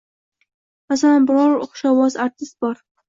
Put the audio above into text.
Masalan, biron xushovoz artist bor.